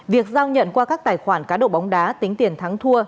việc giao nhận qua các tài khoản cá độ bóng đá tính tiền thắng thua